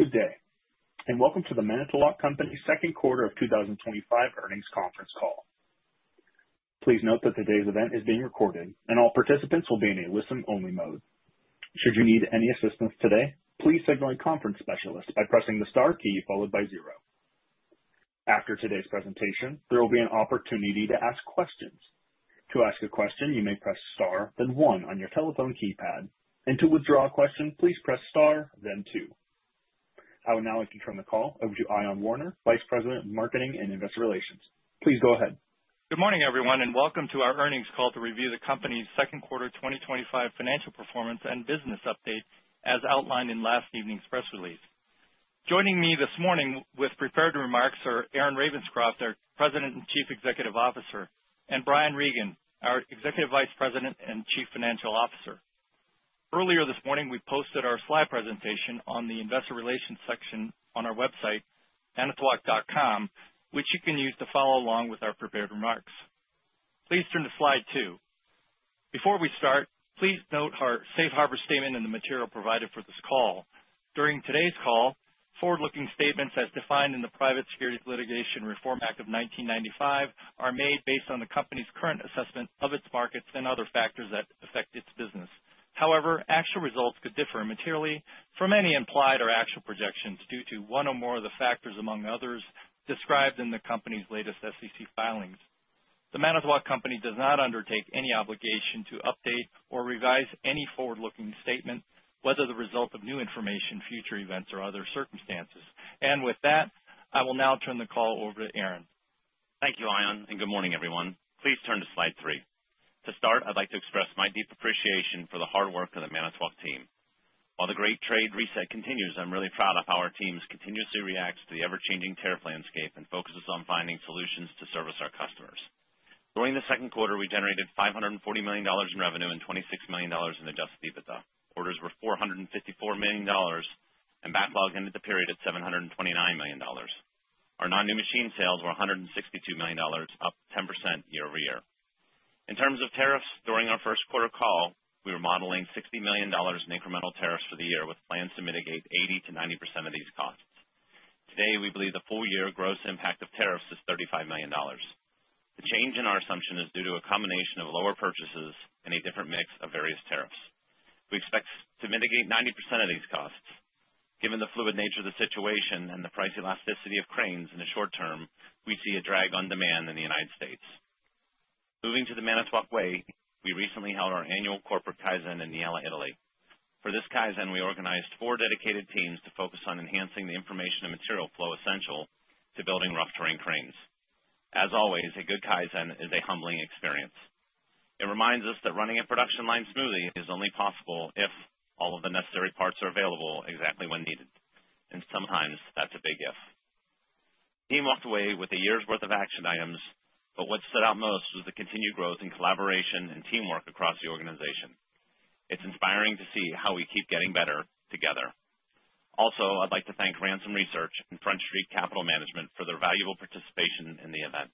Good day, and welcome to The Manitowoc Company's Second Quarter 2025 Earnings Conference Call. Please note that today's event is being recorded, and all participants will be in a listen-only mode. Should you need any assistance today, please signal a conference specialist by pressing the star key followed by zero. After today's presentation, there will be an opportunity to ask questions. To ask a question, you may press star, then one on your telephone keypad. To withdraw a question, please press star, then two. I would now like to turn the call over to Ion Warner, Vice President of Marketing and Investor Relations. Please go ahead. Good morning, everyone, and welcome to our earnings call to review the company's second quarter 2025 financial performance and business update as outlined in last evening's press release. Joining me this morning with prepared remarks are Aaron Ravenscroft, our President and Chief Executive Officer, and Brian Regan, our Executive Vice President and Chief Financial Officer. Earlier this morning, we posted our slide presentation on the Investor Relations section on our website, manitowoc.com, which you can use to follow along with our prepared remarks. Please turn to slide two. Before we start, please note our safe harbor statement in the material provided for this call. During today's call, forward-looking statements as defined in the Private Securities Litigation Reform Act of 1995 are made based on the company's current assessment of its markets and other factors that affect its business. However, actual results could differ materially from any implied or actual projections due to one or more of the factors, among others, described in the company's latest SEC filings. The Manitowoc Company does not undertake any obligation to update or revise any forward-looking statement, whether the result of new information, future events, or other circumstances. With that, I will now turn the call over to Aaron. Thank you, Ion, and good morning, everyone. Please turn to slide three. To start, I'd like to express my deep appreciation for the hard work of the Manitowoc team. While the Great Trade Reset continues, I'm really proud of how our teams continuously react to the ever-changing tariff landscape and focus on finding solutions to service our customers. During the second quarter, we generated $540 million in revenue and $26 million in adjusted EBITDA. Orders were $454 million, and backlog ended the period at $729 million. Our non-new machine sales were $162 million, up 10% year-over-year. In terms of tariffs, during our first quarter call, we were modeling $60 million in incremental tariffs for the year, with plans to mitigate 80%-90% of these costs. Today, we believe the full-year gross impact of tariffs is $35 million. The change in our assumption is due to a combination of lower purchases and a different mix of various tariffs. We expect to mitigate 90% of these costs. Given the fluid nature of the situation and the price elasticity of cranes in the short term, we see a drag on demand in the U.S. Moving to the Manitowoc way, we recently held our annual corporate kaizen in Niella, Italy. For this kaizen, we organized four dedicated teams to focus on enhancing the information and material flow essential to building rough-terrain cranes. As always, a good kaizen is a humbling experience. It reminds us that running a production line smoothly is only possible if all of the necessary parts are available exactly when needed. Sometimes that's a big if. The team walked away with a year's worth of action items, but what stood out most was the continued growth in collaboration and teamwork across the organization. It's inspiring to see how we keep getting better together. Also, I'd like to thank Ransom Research and Front Street Capital Management for their valuable participation in the event.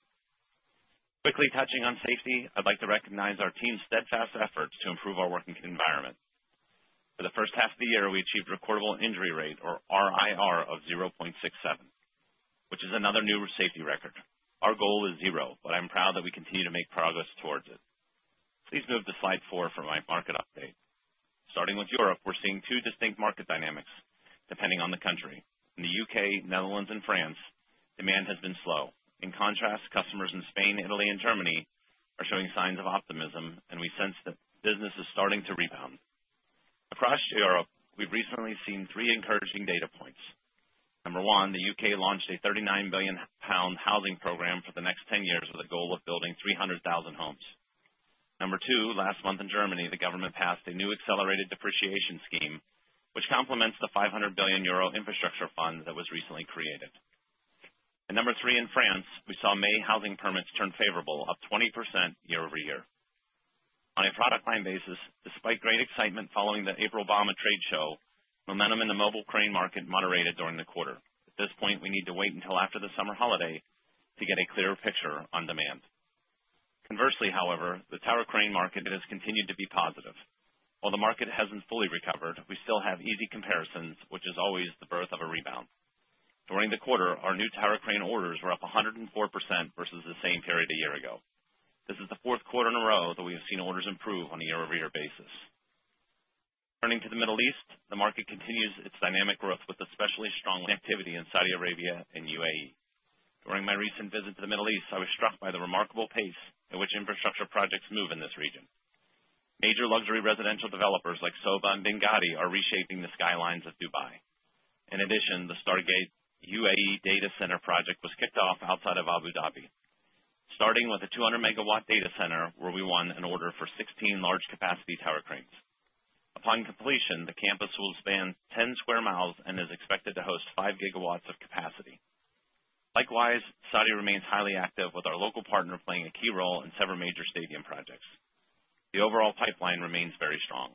Quickly touching on safety, I'd like to recognize our team's steadfast efforts to improve our working environment. For the first half of the year, we achieved a recordable injury rate, or RIR, of 0.67, which is another new safety record. Our goal is zero, but I'm proud that we continue to make progress towards it. Please move to slide four for my market update. Starting with Europe, we're seeing two distinct market dynamics depending on the country. In the U.K., Netherlands, and France, demand has been slow. In contrast, customers in Spain, Italy, and Germany are showing signs of optimism, and we sense that business is starting to rebound. Across Europe, we've recently seen three encouraging data points. Number one, the U.K. launched a £39 billion housing program for the next 10 years with a goal of building 300,000 homes. Number two, last month in Germany, the government passed a new accelerated depreciation scheme, which complements the €500 billion infrastructure fund that was recently created. Number three, in France, we saw May housing permits turn favorable, up 20% year-over-year. On a product line basis, despite great excitement following the April-Bauma trade show, momentum in the mobile crane market moderated during the quarter. At this point, we need to wait until after the summer holiday to get a clearer picture on demand. Conversely, however, the tower crane market has continued to be positive. While the market hasn't fully recovered, we still have easy comparisons, which is always the birth of a rebound. During the quarter, our new tower crane orders were up 104% versus the same period a year ago. This is the fourth quarter in a row that we have seen orders improve on a year-over-year basis. Turning to the Middle East, the market continues its dynamic growth with especially strong activity in Saudi Arabia and UAE. During my recent visit to the Middle East, I was struck by the remarkable pace at which infrastructure projects move in this region. Major luxury residential developers like Sobha and Binghatti are reshaping the skylines of Dubai. In addition, the Stargate UAE data center project was kicked off outside of Abu Dhabi, starting with a 200 megawatt data center where we won an order for 16 large capacity tower cranes. Upon completion, the campus will span 10 square miles and is expected to host 5 gigawatts of capacity. Likewise, Saudi remains highly active with our local partner playing a key role in several major stadium projects. The overall pipeline remains very strong.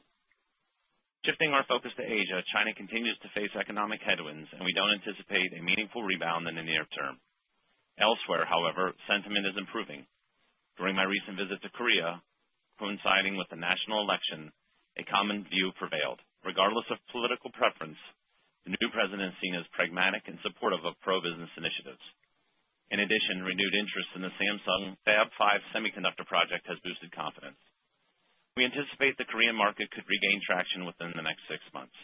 Shifting our focus to Asia, China continues to face economic headwinds, and we don't anticipate a meaningful rebound in the near term. Elsewhere, however, sentiment is improving. During my recent visit to Korea, coinciding with the national election, a common view prevailed. Regardless of political preference, the new president is seen as pragmatic and supportive of pro-business initiatives. In addition, renewed interest in the Samsung Fab 5 semiconductor project has boosted confidence. We anticipate the Korean market could regain traction within the next six months.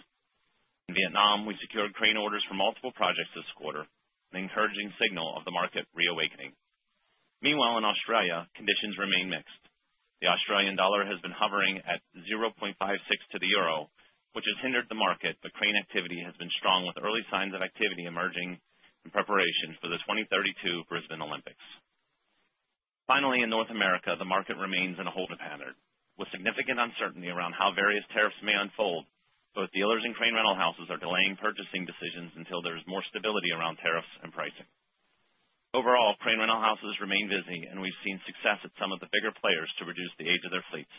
In Vietnam, we secured crane orders for multiple projects this quarter, an encouraging signal of the market reawakening. Meanwhile, in Australia, conditions remain mixed. The Australian dollar has been hovering at $0.56 to the euro, which has hindered the market, but crane activity has been strong with early signs of activity emerging in preparation for the 2032 Brisbane Olympics. Finally, in North America, the market remains in a holding pattern with significant uncertainty around how various tariffs may unfold. Both dealers and crane rental houses are delaying purchasing decisions until there is more stability around tariffs and pricing. Overall, crane rental houses remain busy, and we've seen success at some of the bigger players to reduce the age of their fleets.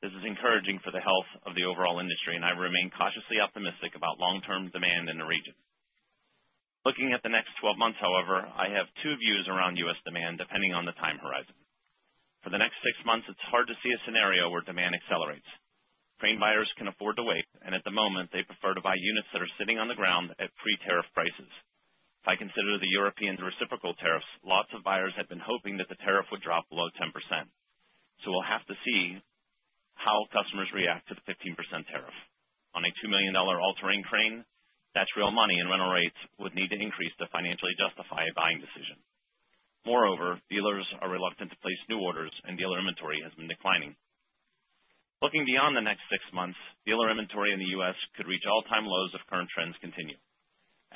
This is encouraging for the health of the overall industry, and I remain cautiously optimistic about long-term demand in the region. Looking at the next 12 months, however, I have two views around U.S. demand depending on the time horizon. For the next six months, it's hard to see a scenario where demand accelerates. Crane buyers can afford to wait, and at the moment, they prefer to buy units that are sitting on the ground at pre-tariff prices. If I consider the Europeans' reciprocal tariffs, lots of buyers had been hoping that the tariff would drop below 10%. We'll have to see how customers react to the 15% tariff. On a $2 million all-terrain crane, that's real money, and rental rates would need to increase to financially justify a buying decision. Moreover, dealers are reluctant to place new orders, and dealer inventory has been declining. Looking beyond the next six months, dealer inventory in the U.S. could reach all-time lows if current trends continue.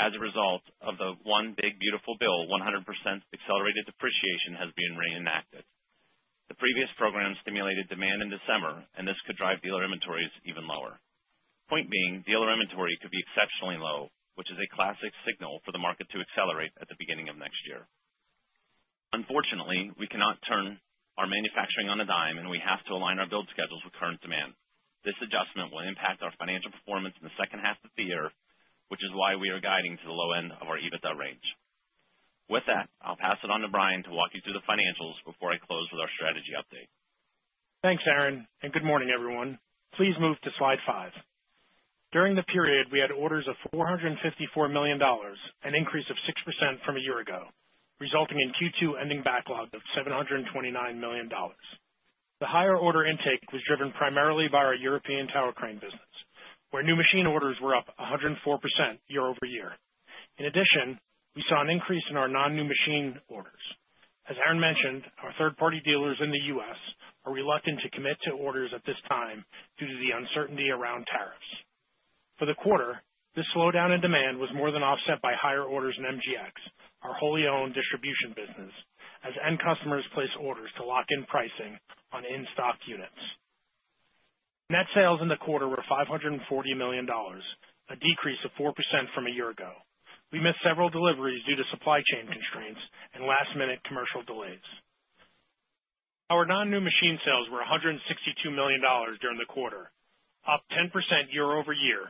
As a result of the One Big Beautiful Bill, 100% accelerated depreciation has been reenacted. The previous program stimulated demand in December, and this could drive dealer inventories even lower. Point being, dealer inventory could be exceptionally low, which is a classic signal for the market to accelerate at the beginning of next year. Unfortunately, we cannot turn our manufacturing on a dime, and we have to align our build schedules with current demand. This adjustment will impact our financial performance in the second half of the year, which is why we are guiding to the low end of our EBITDA range. With that, I'll pass it on to Brian to walk you through the financials before I close with our strategy update. Thanks, Aaron, and good morning, everyone. Please move to slide five. During the period, we had orders of $454 million, an increase of 6% from a year ago, resulting in Q2 ending backlog of $729 million. The higher order intake was driven primarily by our European tower crane business, where new machine orders were up 104% year-over-year. In addition, we saw an increase in our non-new machine orders. As Aaron mentioned, our third-party dealers in the U.S. are reluctant to commit to orders at this time due to the uncertainty around tariffs. For the quarter, this slowdown in demand was more than offset by higher orders in MGX, our fully owned distribution business, as end customers placed orders to lock in pricing on in-stock units. Net sales in the quarter were $540 million, a decrease of 4% from a year ago. We missed several deliveries due to supply chain constraints and last-minute commercial delays. Our non-new machine sales were $162 million during the quarter, up 10% year-over-year,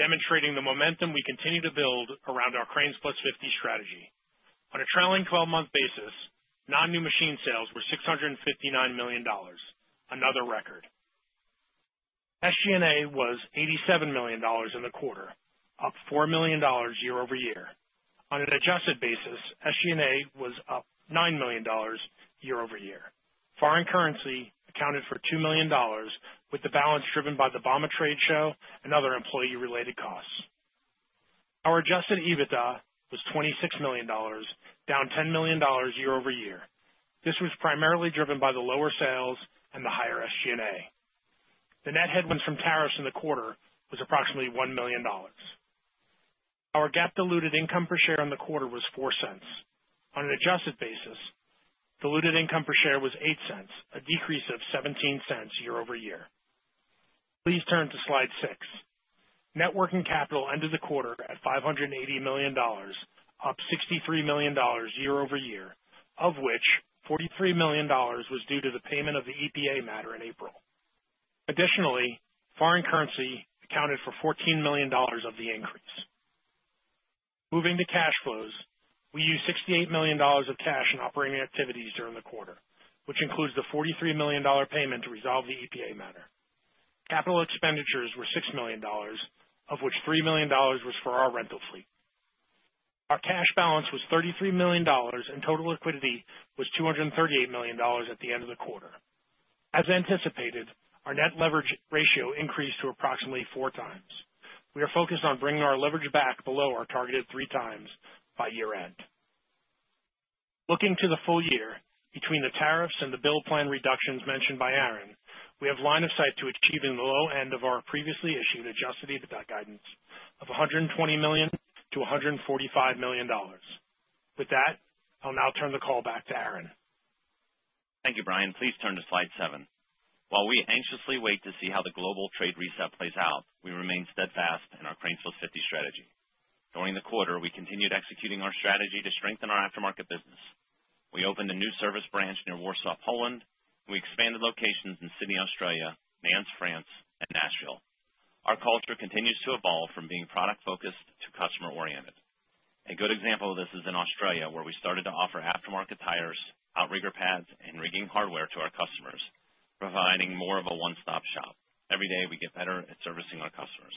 demonstrating the momentum we continue to build around our Cranes Plus 50 strategy. On a trailing 12-month basis, non-new machine sales were $659 million, another record. SG&A was $87 million in the quarter, up $4 million year-over-year. On an adjusted basis, SG&A was up $9 million year-over-year. Foreign currency accounted for $2 million, with the balance driven by the Bama trade show and other employee-related costs. Our adjusted EBITDA was $26 million, down $10 million year over year. This was primarily driven by the lower sales and the higher SG&A. The net headwinds from tariffs in the quarter was approximately $1 million. Our GAAP-diluted income per share in the quarter was $0.04. On an adjusted basis, diluted income per share was $0.08, a decrease of $0.17 year-over-year. Please turn to slide six. Networking capital ended the quarter at $580 million, up $63 million year-over-year, of which $43 million was due to the payment of the EPA matter in April. Additionally, foreign currency accounted for $14 million of the increase. Moving to cash flows, we used $68 million of cash in operating activities during the quarter, which includes the $43 million payment to resolve the EPA matter. Capital expenditures were $6 million, of which $3 million was for our rental fleet. Our cash balance was $33 million, and total liquidity was $238 million at the end of the quarter. As anticipated, our net leverage ratio increased to approximately 4x. We are focused on bringing our leverage back below our targeted 3 times by year-end. Looking to the full year, between the tariffs and the bill plan reductions mentioned by Aaron, we have line of sight to achieving the low end of our previously issued adjusted EBITDA guidance of $120 million-$145 million. With that, I'll now turn the call back to Aaron. Thank you, Brian. Please turn to slide seven. While we anxiously wait to see how the global trade reset plays out, we remain steadfast in our Cranes Plus 50 strategy. During the quarter, we continued executing our strategy to strengthen our aftermarket business. We opened a new service branch near Warsaw, Poland, and we expanded locations in Sydney, Australia, Nantes, France, and Nashville. Our culture continues to evolve from being product-focused to customer-oriented. A good example of this is in Australia, where we started to offer aftermarket tires, outrigger pads, and rigging hardware to our customers, providing more of a one-stop shop. Every day, we get better at servicing our customers.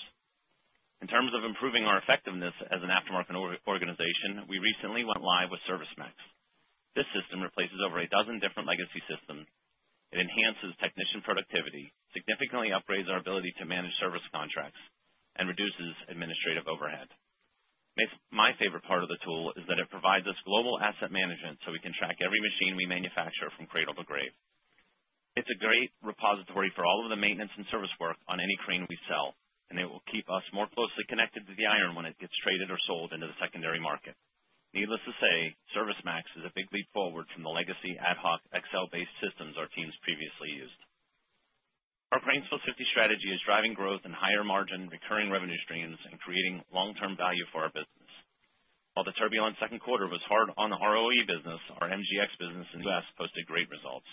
In terms of improving our effectiveness as an aftermarket organization, we recently went live with ServiceMax. This system replaces over a dozen different legacy systems. It enhances technician productivity, significantly upgrades our ability to manage service contracts, and reduces administrative overhead. My favorite part of the tool is that it provides us global asset management so we can track every machine we manufacture from cradle to grave. It's a great repository for all of the maintenance and service work on any crane we sell, and it will keep us more closely connected to the iron when it gets traded or sold into the secondary market. Needless to say, ServiceMax is a big leap forward from the legacy ad hoc Excel-based systems our teams previously used. Our Cranes Plus 50 strategy is driving growth and higher margin, recurring revenue streams, and creating long-term value for our business. While the turbulent second quarter was hard on the ROE business, our MGX business in the U.S. posted great results.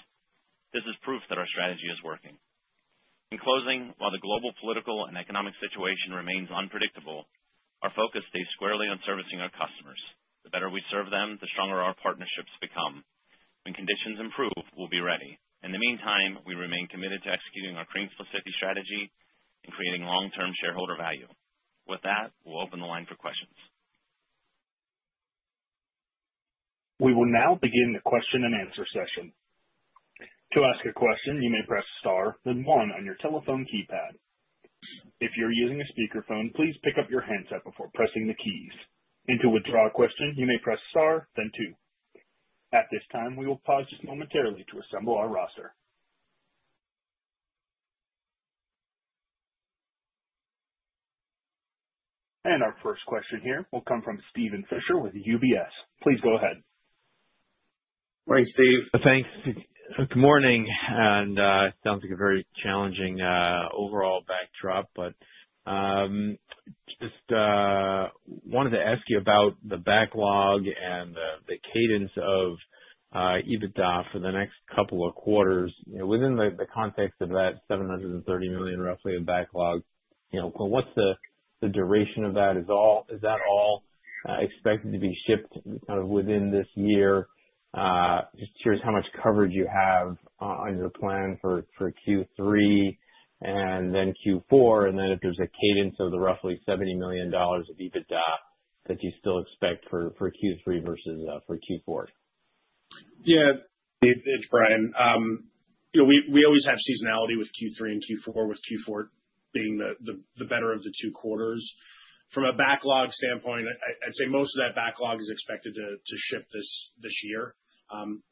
This is proof that our strategy is working. In closing, while the global political and economic situation remains unpredictable, our focus stays squarely on servicing our customers. The better we serve them, the stronger our partnerships become. When conditions improve, we'll be ready. In the meantime, we remain committed to executing our Cranes Plus 50 strategy and creating long-term shareholder value. With that, we'll open the line for questions. We will now begin the question-and-answer session. To ask a question, you may press star, then one on your telephone keypad. If you're using a speakerphone, please pick up your headset before pressing the keys. To withdraw a question, you may press star, then two. At this time, we will pause just momentarily to assemble our roster. Our first question here will come from Steven Fisher with UBS. Please go ahead. Morning, Steve. Thanks. Good morning. It sounds like a very challenging overall backdrop, but just wanted to ask you about the backlog and the cadence of EBITDA for the next couple of quarters. Within the context of that $730 million roughly of backlog, you know, what's the duration of that? Is that all expected to be shipped within this year? Just curious how much coverage you have on your plan for Q3 and then Q4, and if there's a cadence of the roughly $70 million of EBITDA that you still expect for Q3 versus for Q4. Yeah, it's Brian. We always have seasonality with Q3 and Q4, with Q4 being the better of the two quarters. From a backlog standpoint, I'd say most of that backlog is expected to ship this year.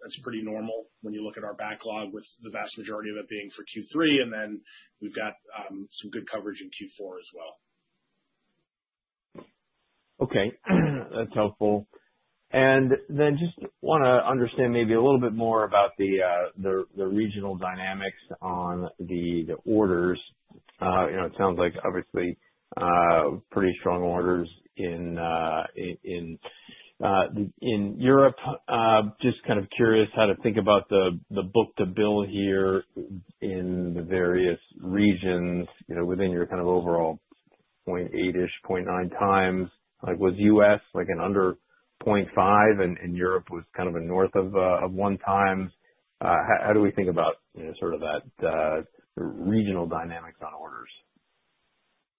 That's pretty normal when you look at our backlog with the vast majority of it being for Q3, and then we've got some good coverage in Q4 as well. Okay. That's helpful. I just want to understand maybe a little bit more about the regional dynamics on the orders. You know, it sounds like obviously pretty strong orders in Europe. Just kind of curious how to think about the book to bill here in the various regions, you know, within your kind of overall 0.8-ish, 0.9x. Like was U.S. like an under 0.5 and Europe was kind of a north of 1x. How do we think about that regional dynamics on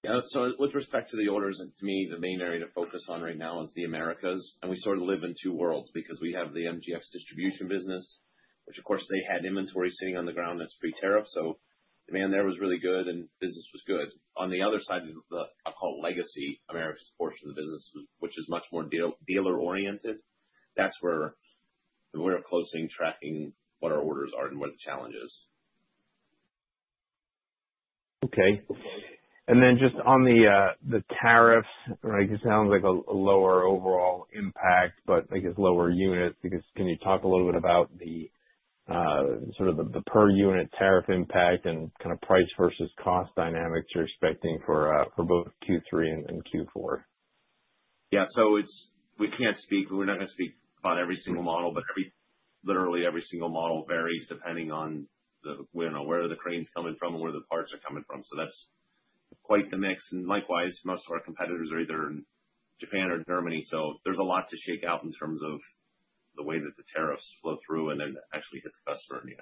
orders? Yeah, with respect to the orders, to me, the main area to focus on right now is the Americas. We sort of live in two worlds because we have the MGX distribution business, which of course had inventory sitting on the ground that's pre-tariff. Demand there was really good and business was good. On the other side of the, I'll call it legacy Americas portion of the business, which is much more dealer-oriented, that's where we're closing, tracking what our orders are and what the challenge is. Okay. On the tariffs, it sounds like a lower overall impact, but I guess lower units. Can you talk a little bit about the per unit tariff impact and kind of price versus cost dynamics you're expecting for both Q3 and Q4? It's, we can't speak, we're not going to speak about every single model, but literally every single model varies depending on the, you know, where the crane's coming from and where the parts are coming from. That's quite the mix. Likewise, most of our competitors are either in Japan or Germany. There's a lot to shake out in terms of the way that the tariffs flow through and then actually hit the customer in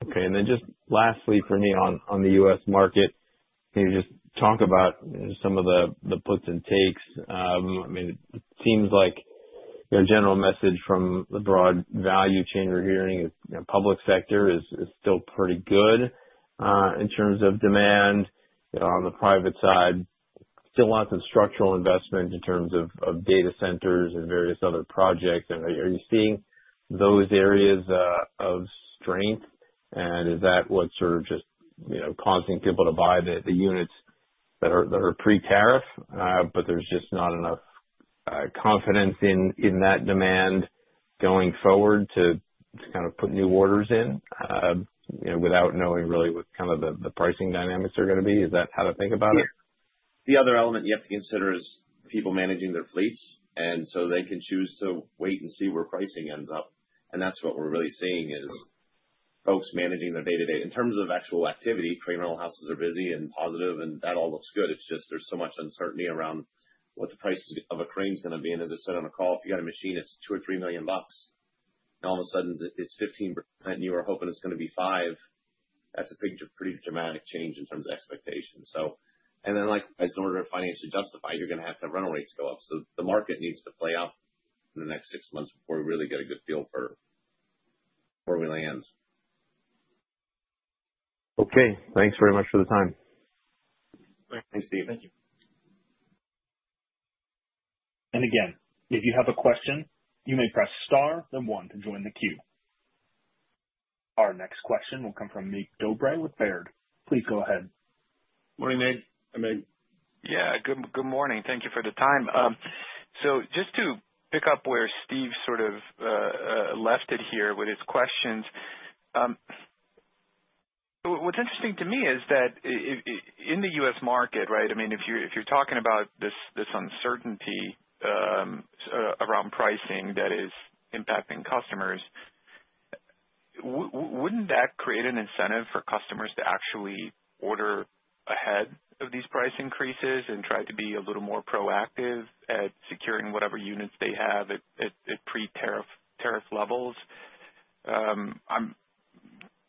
the end. Okay. Lastly for me on the U.S. market, can you talk about some of the puts and takes? It seems like your general message from the broad value chain we're hearing is the public sector is still pretty good in terms of demand. On the private side, still lots of structural investment in terms of data centers and various other projects. Are you seeing those areas of strength? Is that what's sort of causing people to buy the units that are pre-tariff, but there's just not enough confidence in that demand going forward to put new orders in, without knowing really what kind of the pricing dynamics are going to be? Is that how to think about it? The other element you have to consider is people managing their fleets. They can choose to wait and see where pricing ends up. That's what we're really seeing is folks managing their day-to-day. In terms of actual activity, crane rental houses are busy and positive, and that all looks good. There's so much uncertainty around what the price of a crane is going to be. As I said on a call, if you got a machine that's $2 million or $3 million, and all of a sudden it's 15%, and you were hoping it's going to be 5%. That's a pretty dramatic change in terms of expectations. Likewise, in order to financially justify it, you're going to have to have rental rates go up. The market needs to play out in the next six months before we really get a good feel for where we land. Okay, thanks very much for the time. Thanks, Steve. Thank you. If you have a question, you may press star and one to join the queue. Our next question will come from Mircea Dobre with Baird. Please go ahead. Morning, Mircea. Hi, Mircea. Good morning. Thank you for the time. Just to pick up where Steve sort of left it here with his questions, what's interesting to me is that in the U.S. market, right, I mean, if you're talking about this uncertainty around pricing that is impacting customers, wouldn't that create an incentive for customers to actually order ahead of these price increases and try to be a little more proactive at securing whatever units they have at pre-tariff levels?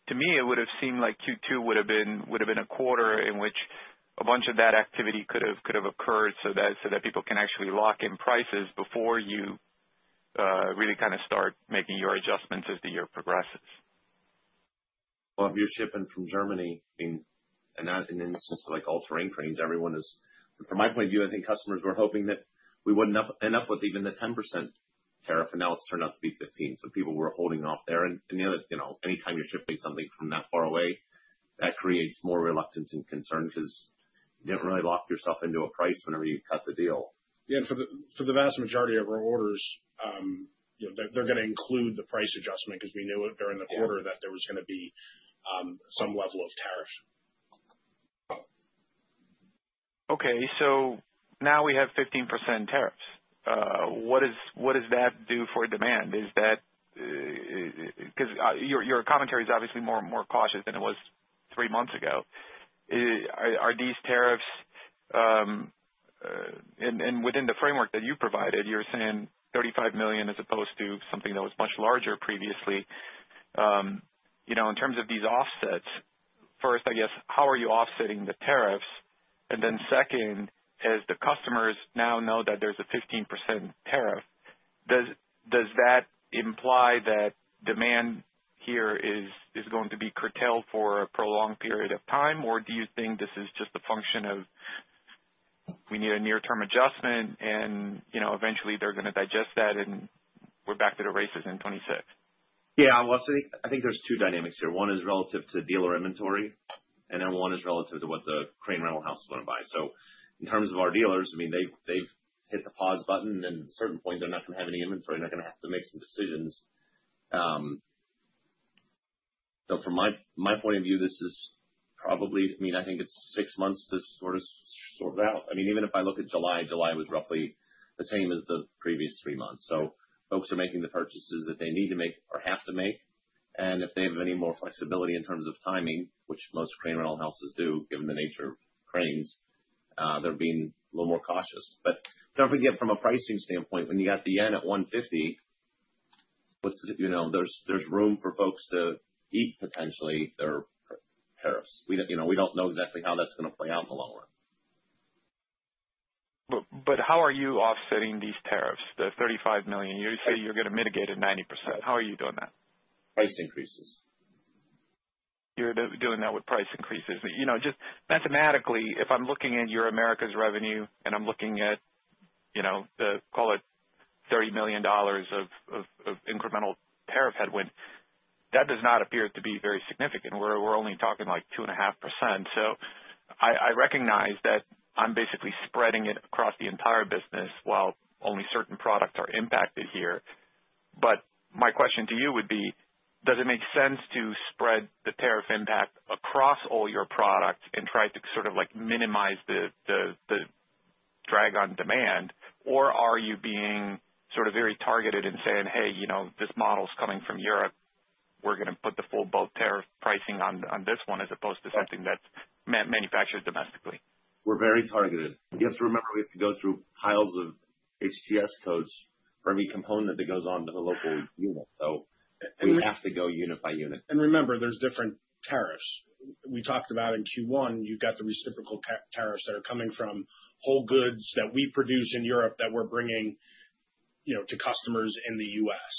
To me, it would have seemed like Q2 would have been a quarter in which a bunch of that activity could have occurred so that people can actually lock in prices before you really kind of start making your adjustments as the year progresses. If you're shipping from Germany, I mean, and not in the instance of like all-terrain cranes, everyone is, from my point of view, I think customers were hoping that we wouldn't end up with even the 10% tariff, and now it's turned out to be 15%. People were holding off there. You know, anytime you're shipping something from that far away, that creates more reluctance and concern because you don't really lock yourself into a price whenever you cut the deal. For the vast majority of our orders, you know, they're going to include the price adjustment because we knew during the quarter that there was going to be some level of tariffs. Okay. Now we have 15% in tariffs. What does that do for demand? Is that, because your commentary is obviously more cautious than it was three months ago. Are these tariffs, and within the framework that you provided, you're saying $35 million as opposed to something that was much larger previously. In terms of these offsets, first, I guess, how are you offsetting the tariffs? Then, as the customers now know that there's a 15% tariff, does that imply that demand here is going to be curtailed for a prolonged period of time, or do you think this is just a function of we need a near-term adjustment and, eventually, they're going to digest that and we're back to the races in 2026? I think there's two dynamics here. One is relative to dealer inventory, and then one is relative to what the crane rental houses want to buy. In terms of our dealers, they've hit the pause button, and at a certain point, they're not going to have any inventory. They're going to have to make some decisions. From my point of view, this is probably, I think it's six months to sort it out. Even if I look at July, July was roughly the same as the previous three months. Folks are making the purchases that they need to make or have to make. If they have any more flexibility in terms of timing, which most crane rental houses do, given the nature of cranes, they're being a little more cautious. Don't forget, from a pricing standpoint, when you got the yen at 150, there's room for folks to eat potentially their tariffs. We don't know exactly how that's going to play out in the long run. How are you offsetting these tariffs? The $35 million, you say you're going to mitigate it 90%. How are you doing that? Price increases. You're doing that with price increases. Just mathematically, if I'm looking at your Americas revenue and I'm looking at, call it $30 million of incremental tariff headwind, that does not appear to be very significant. We're only talking like 2.5%. I recognize that I'm basically spreading it across the entire business while only certain products are impacted here. My question to you would be, does it make sense to spread the tariff impact across all your products and try to sort of minimize the drag on demand, or are you being sort of very targeted and saying, "Hey, you know, this model's coming from Europe. We're going to put the full-built tariff pricing on this one as opposed to something that's manufactured domestically"? We're very targeted. You have to remember we have to go through piles of HTS codes for every component that goes on to the local unit. We have to go unit by unit. Remember, there's different tariffs. We talked about in Q1, you've got the reciprocal tariffs that are coming from whole goods that we produce in Europe that we're bringing to customers in the U.S.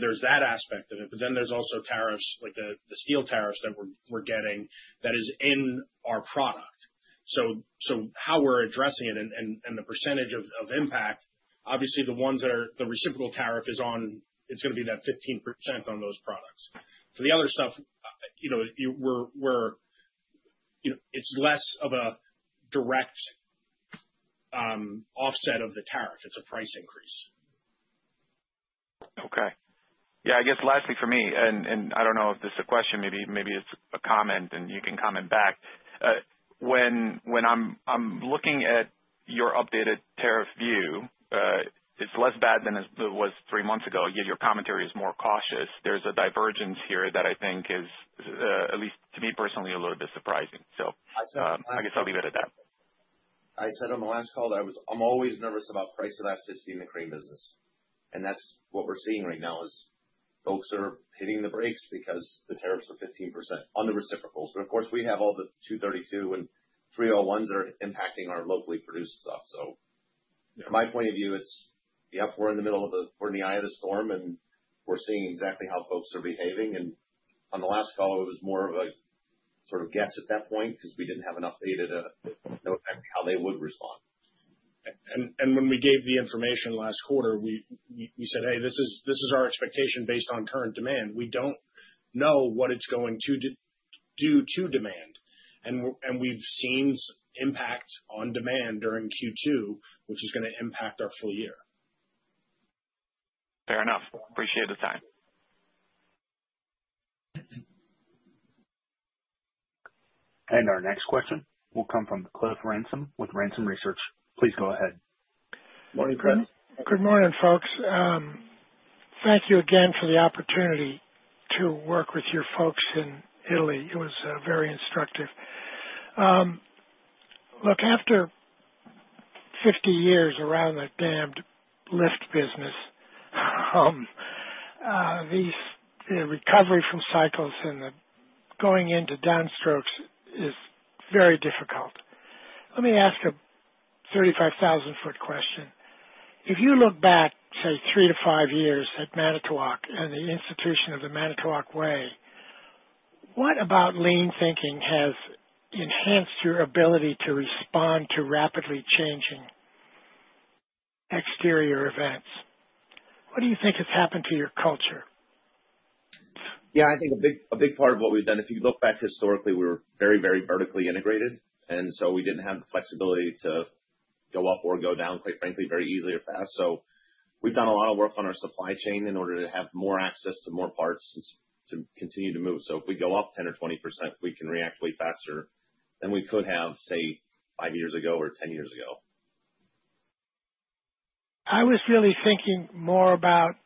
There's that aspect of it. There's also tariffs, like the steel tariffs that we're getting, that are in our product. How we're addressing it and the percentage of impact, obviously, the ones that the reciprocal tariff is on, it's going to be that 15% on those products. For the other stuff, it's less of a direct offset of the tariff. It's a price increase. Okay. I guess lastly for me, and I don't know if this is a question, maybe it's a comment, and you can comment back. When I'm looking at your updated tariff view, it's less bad than it was three months ago. Again, your commentary is more cautious. There's a divergence here that I think is, at least to me personally, a little bit surprising. I guess I'll leave it at that. I said on the last call that I'm always nervous about price elasticity in the crane business. That's what we're seeing right now: folks are hitting the brakes because the tariffs are 15% on the reciprocals. Of course, we have all the 232 and 301s that are impacting our locally produced stuff. From my point of view, it's, yep, we're in the middle of the, we're in the eye of the storm, and we're seeing exactly how folks are behaving. On the last call, it was more of a sort of guess at that point because we didn't have enough data to know how they would respond. When we gave the information last quarter, we said, "Hey, this is our expectation based on current demand. We don't know what it's going to do to demand." We've seen impacts on demand during Q2, which is going to impact our full year. Fair enough. Appreciate the time. Our next question will come from Clifford Ransom with Ransom Research. Please go ahead. Morning, Chris. Good morning, folks. Thank you again for the opportunity to work with your folks in Italy. It was very instructive. After 50 years around that damned lift business, these recovery from cycles and the going into downstrokes is very difficult. Let me ask a 35,000-foot question. If you look back, say, three to five years at The Manitowoc Company and the institution of the Manitowoc Way, what about lean thinking has enhanced your ability to respond to rapidly changing exterior events? What do you think has happened to your culture? Yeah, I think a big part of what we've done, if you look back historically, we were very, very vertically integrated. We didn't have the flexibility to go up or go down, quite frankly, very easily or fast. We've done a lot of work on our supply chain in order to have more access to more parts to continue to move. If we go up 10% or 20%, we can react way faster than we could have, say, five years ago or 10 years ago. I was really thinking more about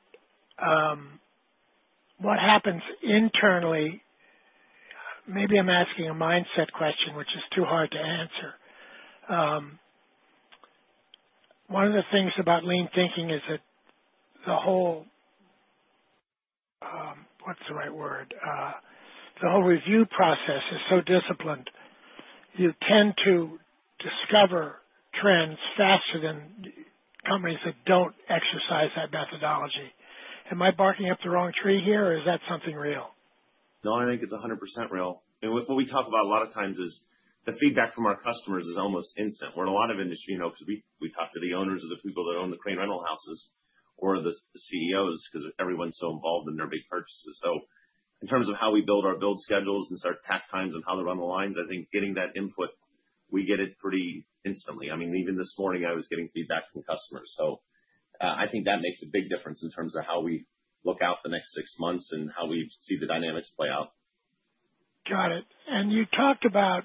what happens internally. Maybe I'm asking a mindset question, which is too hard to answer. One of the things about lean thinking is that the whole, what's the right word? The whole review process is so disciplined. You tend to discover trends faster than companies that don't exercise that methodology. Am I barking up the wrong tree here, or is that something real? No, I think it's 100% real. What we talk about a lot of times is that feedback from our customers is almost instant. We're in a lot of industry, you know, because we talk to the owners of the people that own the crane rental houses or the CEOs because everyone's so involved in their big purchases. In terms of how we build our build schedules and start tech times and how to run the lines, I think getting that input, we get it pretty instantly. I mean, even this morning, I was getting feedback from customers. I think that makes a big difference in terms of how we look out the next six months and how we see the dynamics play out. Got it. You talked about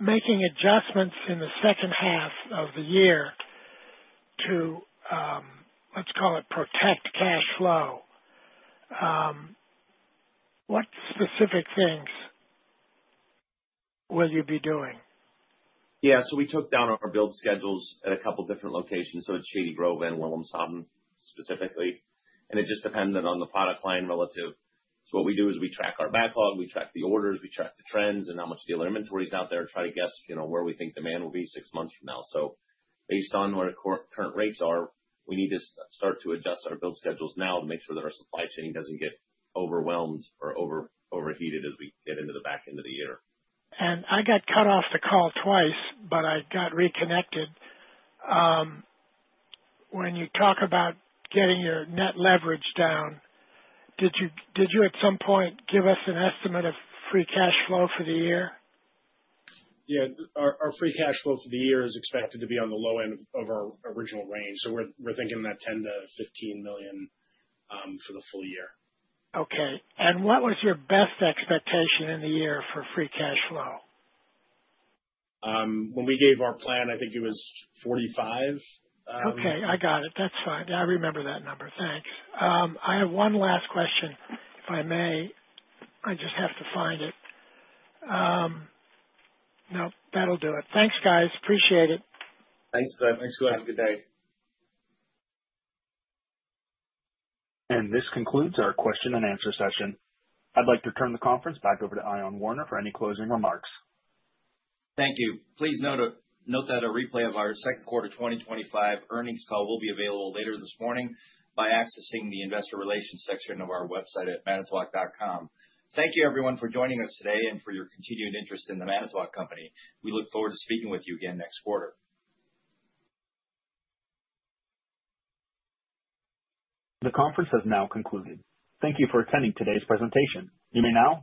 making adjustments in the second half of the year to, let's call it, protect cash flow. Specific things, what you'd be doing. Yeah, we took down our build schedules at a couple of different locations. It's Shady Grove and Wilhelmshaven specifically. It just depended on the product line relative. We track our backlog, we track the orders, we track the trends, and how much dealer inventory is out there to try to guess where we think demand will be six months from now. Based on where current rates are, we need to start to adjust our build schedules now and make sure that our supply chain doesn't get overwhelmed or overheated as we get into the back end of the year. I got cut off the call twice, but I got reconnected. When you talk about getting your net leverage down, did you at some point give us an estimate of free cash flow for the year? Yeah, our free cash flow for the year is expected to be on the low end of our original range. We're thinking that $10 million-$15 million for the full year. Okay. What was your best expectation in the year for free cash flow? When we gave our plan, I think it was $45 million. Okay, I got it. That's fine. I remember that number. Thanks. I have one last question. I just have to find it. No, that'll do it. Thanks, guys. Appreciate it. Thanks, Ben. Have a good day. This concludes our question-and answer session. I'd like to turn the conference back over to Ion Warner for any closing remarks. Thank you. Please note that a replay of our second quarter 2025 earnings call will be available later this morning by accessing the investor relations section of our website at manitowoc.com. Thank you, everyone, for joining us today and for your continued interest in The Manitowoc Company. We look forward to speaking with you again next quarter. The conference has now concluded. Thank you for attending today's presentation. You may now disconnect.